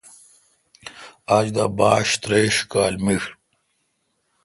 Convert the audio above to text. آج دا باش تریش کال میݭ